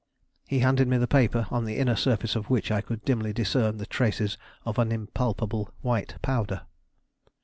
He handed me the paper, on the inner surface of which I could dimly discern the traces of an impalpable white powder.